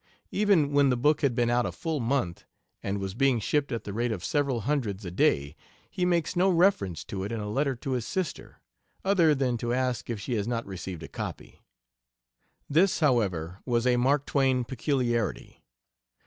Even when the book had been out a full month, and was being shipped at the rate of several hundreds a day, he makes no reference to it in a letter to his sister, other than to ask if she has not received a copy. This, however, was a Mark Twain peculiarity.